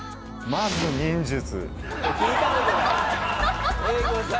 まず忍術。